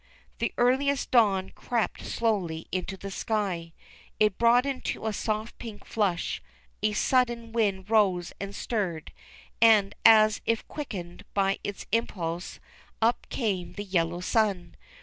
The earliest dawn crept slowly into the sky. It broadened to a soft pink flush, a sudden wind rose and stirred, and as if quickened by its impulse up came the yellow sun.